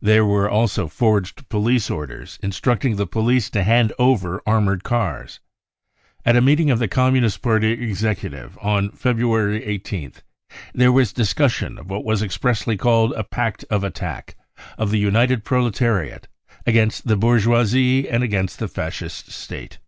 There were also forged police orders in structing the police to hand over armoured cars. At a meeting of the Communist Party executive on February 1 8th, there was discussion of what was expressly called a pact of attack of the united proletariat against the bourgeoisie and against the Fascist State.